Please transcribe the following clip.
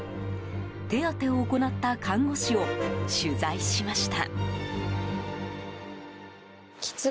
手当てを行った看護師を取材しました。